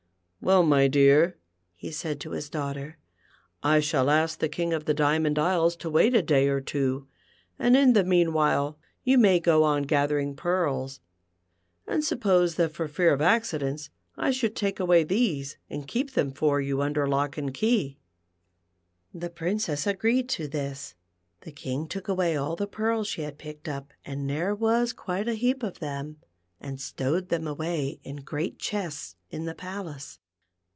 "Well, my dear," he said to his daughter, "I shall ask the King of the Diamond Isles to wait a day or two, and in the meanwhile you may go on gathering pearls. And suppose that for fear of accidents I should take away these and keep them for you under lock and key." THE FEARL FOUNT A IX. 21 The Princess agreed to this. Tlic Kiiv^ took a\va\' all the pearls she had picked up, and there was quite a heap of them, and stowed them awa\' in great chests in the palace.